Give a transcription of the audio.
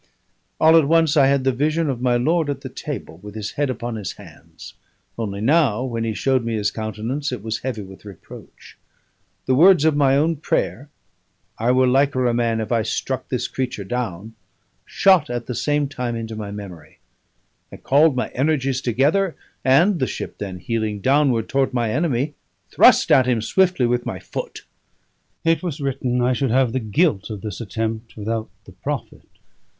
All at once I had the vision of my lord at the table, with his head upon his hands; only now, when he showed me his countenance, it was heavy with reproach. The words of my own prayer I were liker a man if I struck this creature down shot at the same time into my memory. I called my energies together, and (the ship then heeling downward toward my enemy) thrust at him swiftly with my foot. It was written I should have the guilt of this attempt without the profit.